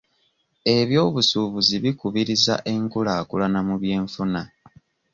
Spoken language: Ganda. Eby'obusuubuzi bikubiriza enkulaakulana mu by'enfuna.